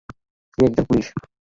সে একজন পুলিশ।